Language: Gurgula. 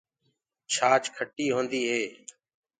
ڇآچ کٽيٚ هوندي هي۔